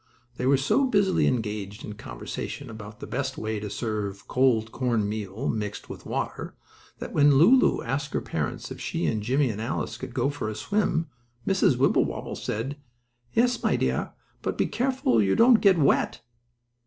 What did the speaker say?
They were so busily engaged in conversation about the best way to serve cold corn meal mixed with water, that when Lulu asked her parents if she and Jimmie and Alice could go for a swim, Mrs. Wibblewobble said: "Yes, my dear, but be careful you don't get wet."